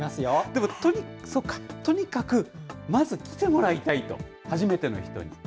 でもとにかく、まず来てもらいたいと、初めての人に。